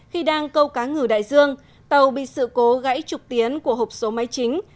khi đang câu cá ngừ đại dương tàu bị sự cố gãy trục tiến của hộp số máy chính